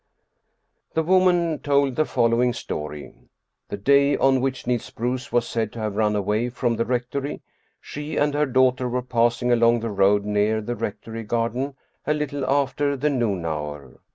The woman told the following story: The day on which Niels Bruus was said to have run away from the rectory, she and her daughter were passing along the road near the rectory garden a little after the noon hour.